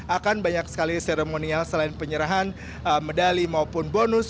akan banyak sekali seremonial selain penyerahan medali maupun bonus